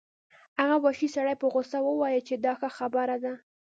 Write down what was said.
هغه وحشي سړي په غوسه وویل چې دا ښه خبره ده